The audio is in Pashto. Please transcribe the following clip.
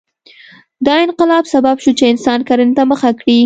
دا انقلاب سبب شو چې انسان کرنې ته مخه کړي.